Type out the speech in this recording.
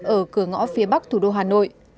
ở cửa ngõ phía bắc thủ đô hà nội